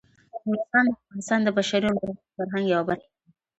نورستان د افغانستان د بشري او لرغوني فرهنګ یوه برخه ده.